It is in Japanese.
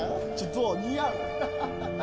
どう似合う？